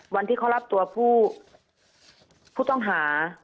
วันที่เขารับตัวผู้ต้องหา